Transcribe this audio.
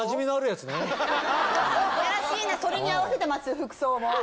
やらしいなそれに合わせてますよ服装も。